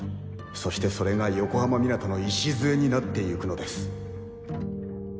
そしてそれが横浜湊の礎になってゆくのです